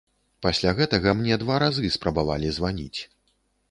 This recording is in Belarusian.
Пасля гэтага мне два разы спрабавалі званіць.